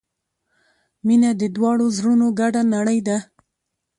• مینه د دواړو زړونو ګډه نړۍ ده.